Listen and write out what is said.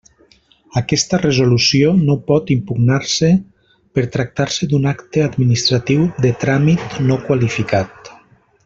Aquesta resolució no pot impugnar-se, per tractar-se d'un acte administratiu de tràmit no qualificat.